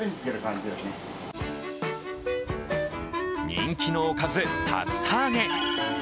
人気のおかず、竜田揚げ。